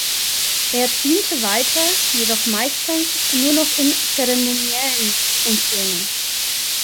Er diente weiter, jedoch meistens nur noch in zeremoniellen Funktionen.